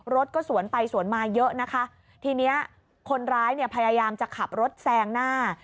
รถก็สวนไปสวนมาเยอะนะคะทีนี้คนร้ายเนี่ยพยายามจะขับรถแซงหน้า